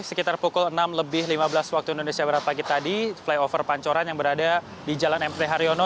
sekitar pukul enam lebih lima belas waktu indonesia barat pagi tadi flyover pancoran yang berada di jalan mt haryono